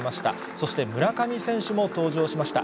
そして、村上選手も登場しました。